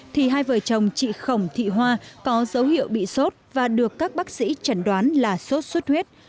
thì hai vợ chồng chị khổng thị hoa có dấu hiệu bị sốt và được các bác sĩ chẩn đoán là sốt xuất huyết